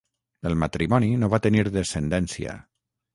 El matrimoni no va tenir descendència.